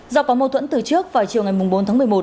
do có mâu thuẫn từ trước vào chiều ngày bốn tháng một mươi một